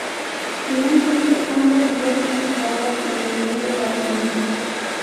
Finalmente, ambos vierten sus aguas en el río Galindo.